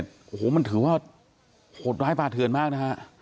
โอ้โหมันถือว่าโหดร้ายป่าเทือนมากนะฮะ